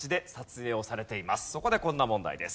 そこでこんな問題です。